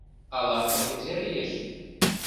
— Ала офицер еш?